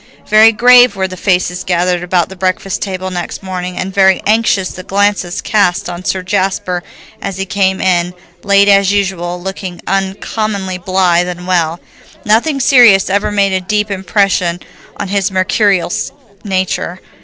Very grave were the faces gathered about the breakfast table next morning, and very anxious the glances cast on Sir Jasper as he came in, late as usual, looking uncommonly blithe and well. Nothing serious ever made a deep impression on his mercurial nature.